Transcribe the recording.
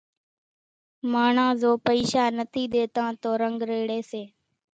ماڻۿان زو پئيشا نٿي ۮيتان تو رنگ ريڙي سي